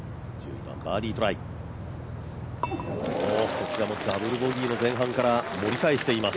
こちらもダブルボギーの前半から取り返してきます。